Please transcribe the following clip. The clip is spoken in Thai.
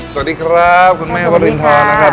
สวัสดีครับคุณแม่วรินทรนะครับ